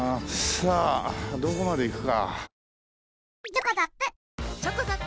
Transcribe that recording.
さあどこまで行くか。